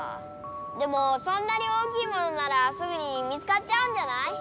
でもそんなに大きいモノならすぐに見つかっちゃうんじゃない？